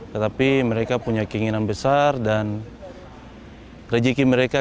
tetapi mereka punya keinginan besar dan rezeki mereka